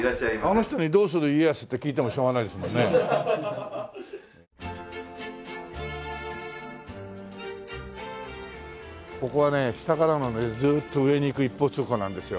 あの人に「どうする家康」って聞いてもしょうがないですもんね。ここはね下からずっと上に行く一方通行なんですよ。